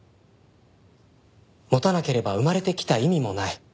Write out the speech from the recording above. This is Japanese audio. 持たなければ生まれてきた意味もない？